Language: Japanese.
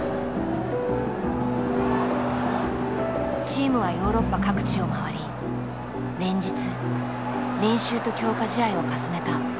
チームはヨーロッパ各地を回り連日練習と強化試合を重ねた。